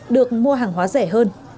được mua hàng hóa rẻ hơn